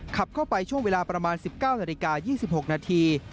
ขับเข้าไปช่วงเวลาประมาณ๑๙นาฬิกา๒๖นาที